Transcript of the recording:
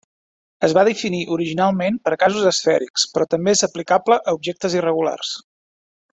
Es va definir originalment per a cossos esfèrics, però també és aplicable a objectes irregulars.